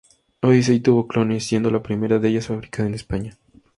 Odyssey tuvo clones, siendo la primera de ellas fabricada en España.